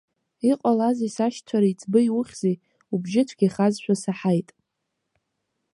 Иҟалазеи, сашьцәа реиҵбы, иухьзеи, убжьы цәгьахазшәа саҳаит?